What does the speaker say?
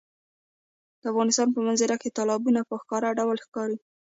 د افغانستان په منظره کې تالابونه په ښکاره ډول ښکاري.